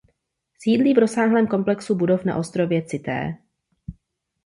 Sídlí v rozsáhlém komplexu budov na ostrově Cité.